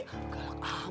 gak ada apa apa